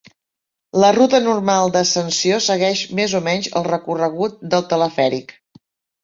La ruta normal d'ascensió segueix més o menys el recorregut del telefèric.